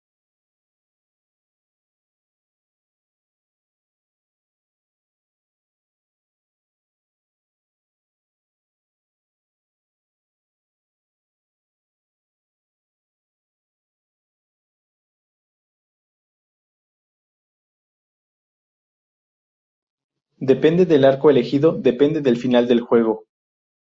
Depende del arco elegido depende del final del juego.